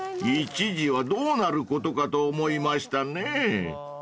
［一時はどうなることかと思いましたね］